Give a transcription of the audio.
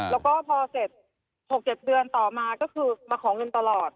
แล้วก็พอเสร็จ๖๗เดือนต่อมาก็คือมาขอเงินตลอด